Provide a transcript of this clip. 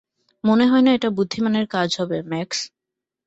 মনে হয় না এটা বুদ্ধিমানের কাজ হবে, ম্যাক্স।